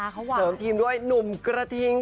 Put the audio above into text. เสริมทีมด้วยหนุ่มกระทิง